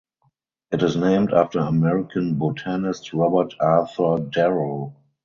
It is named after American botanist Robert Arthur Darrow.